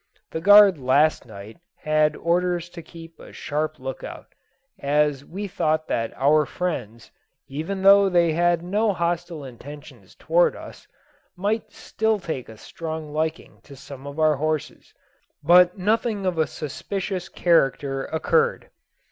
The guard last night had orders to keep a sharp look out, as we thought that our friends, even though they had no hostile intentions towards us, might still take a strong liking to some of our horses; but nothing of a suspicious character occurred.